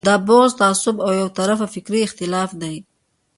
دا بغض، تعصب او یو طرفه فکري اختلاف دی.